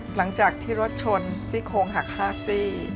หลังจากที่รถชนซี่โครงหัก๕ซี่